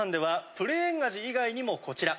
こちら。